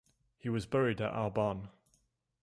He was buried at Arbonne.